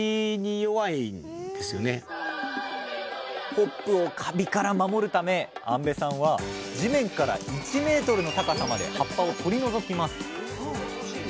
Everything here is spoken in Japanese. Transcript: ホップをカビから守るため安部さんは地面から１ｍの高さまで葉っぱを取り除きます。